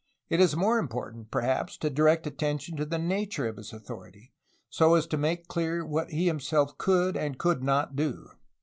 It is more important, perhaps, to direct at tention to the nature of his authority, so as to make clear what he himself could and could not do.